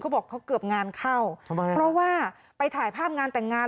บอกเขาเกือบงานเข้าเพราะว่าไปถ่ายภาพงานแต่งงาน